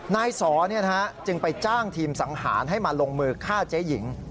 นายสอจึงไปจ้างทีมสังหารให้มาลงมือฆ่าเจ๊หญิง